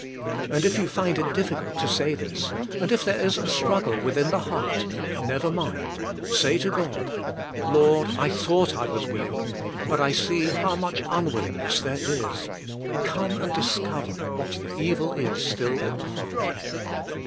And if you find it difficult to say this, and if there is a struggle within the heart, never mind; say to God, "Lord, I thought I was willing, but I see how much unwillingness there is; come and discover what the evil is still in the heart."